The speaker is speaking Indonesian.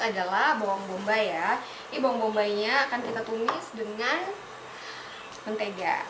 adalah bawang bombay ya ini bawang bombay nya akan kita tumis dengan mentega